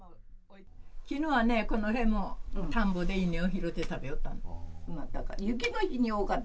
きのうはね、この辺も、田んぼで稲を拾って食べよった。